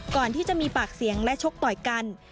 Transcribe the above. ก่อนที่จะมีปากเสียงและชกต่อยกัน